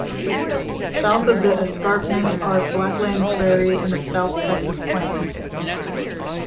South of the escarpment are Blackland Prairie and the South Texas plains.